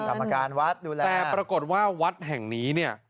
แต่ปรากฏว่าวัดแห่งนี้